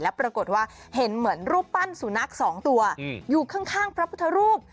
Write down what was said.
ปรากฏว่าเห็นเหมือนรูปปั้นสุนัขสองตัวอยู่ข้างพระพุทธรูป